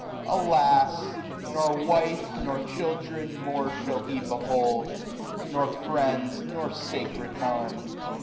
Alas! 315 Nor wife, nor children, more shall he behold; Nor friends, nor sacred home.